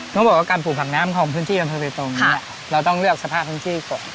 ต้องบอกว่าการปลูกผักน้ำของพื้นที่อำเภอเบตงเนี่ยเราต้องเลือกสภาพพื้นที่ก่อน